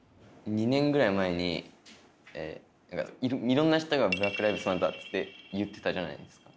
２年ぐらい前にいろんな人が「ブラック・ライブズ・マター」って言ってたじゃないですか。